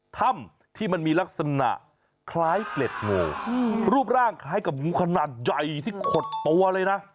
ถ้ำที่มันมีลักษณะคล้ายเกล็ดงูรูปร่างคล้ายกับงูขนาดใหญ่ที่ขดตัวเลยนะ